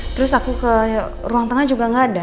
terus aku ke ruang tengah juga nggak ada